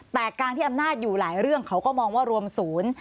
แต่การที่อำนาจอยู่หลายเรื่องเขาก็มองว่ารวมศูนย์